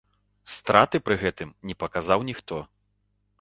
Страты пры гэтым не паказаў ніхто.